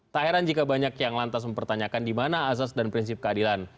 tak heran jika banyak yang lantas mempertanyakan di mana azas dan prinsip keadilan